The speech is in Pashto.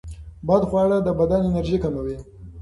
بدخواړه د بدن انرژي کموي.